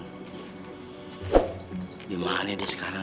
sebenernya gua kangen juga sama si aksam